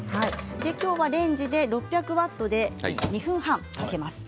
きょうはレンジで６００ワットで２分半かけます。